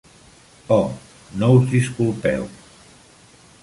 Oh, no us disculpeu!